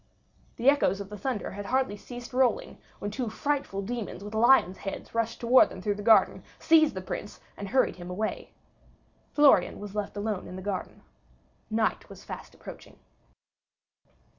The echoes of the thunder had hardly ceased rolling when two frightful demons with lions' heads rushed towards them through the garden, seized the Prince, and hurried him away. Florian was left alone in the garden. Night was fast approaching.